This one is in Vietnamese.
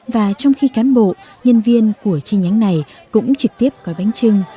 và trong khi cán bộ nhân viên của chi nhánh này cũng trực tiếp gói bánh trưng